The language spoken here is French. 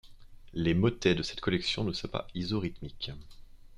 Les motets de cette collection ne sont pas isorythmiques.